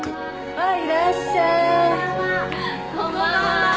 はい。